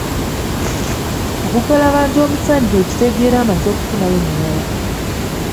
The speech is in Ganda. Okugalabanja omusajja okitegeera amaze kufunayo mulala.